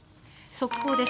速報です。